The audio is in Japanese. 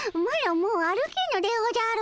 もう歩けぬでおじゃる。